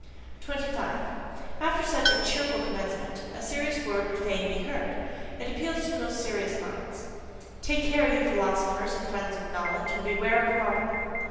25. After such a cheerful commencement, a serious word would fain be heard; it appeals to the most serious minds. Take care, ye philosophers and friends of knowledge, and beware of martyrdom!